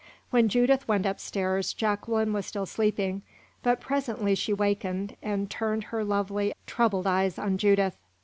When Judith went up stairs, Jacqueline was still sleeping, but presently she wakened, and turned her lovely, troubled eyes on Judith.